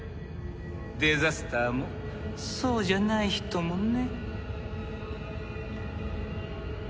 デザスターもそうじゃない人もね。